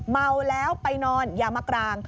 เมาแล้วไปนอนอย่ามากราง